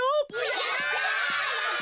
やった！